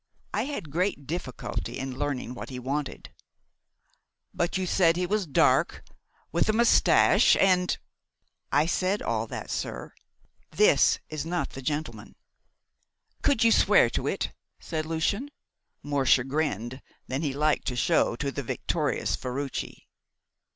I had great difficulty in learning what he wanted." "But you said that he was dark, with a moustache and " "I said all that, sir; but this is not the gentleman." "Could you swear to it?" said Lucian, more chagrined than he liked to show to the victorious Ferruci.